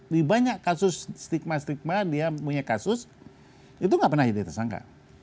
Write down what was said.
di banyak kasus stigma stigma dia punya kasus itu nggak pernah jadi tersangka